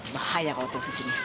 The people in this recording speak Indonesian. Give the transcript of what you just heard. bahaya kalau terus disini